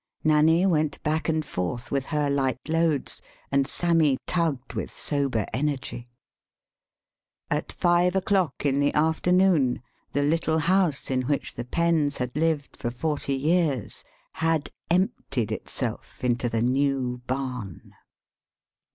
Nanny went back and forth with her light loads, and Sammy tugged with sober energy.] At five o'clock in the afternoon the little house in which the Penns had lived for forty years had emptied itself into the new barn.